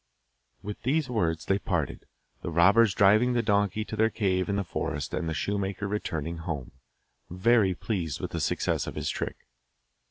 With these words they parted, the robbers driving the donkey to their cave in the forest and the shoemaker returning home, very pleased with the success of his trick.